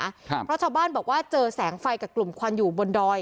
ครับเพราะชาวบ้านบอกว่าเจอแสงไฟกับกลุ่มควันอยู่บนดอย